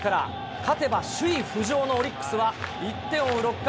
勝てば首位浮上のオリックスは１点を追う６回。